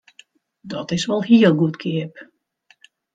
Dat is wol hiel goedkeap!